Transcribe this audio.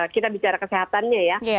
kita bicara kesehatannya ya